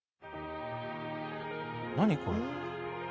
何これ？